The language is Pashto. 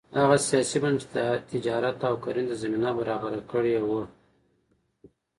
هغه سیاسي بنسټونه چې تجارت او کرنې ته زمینه برابره کړې وه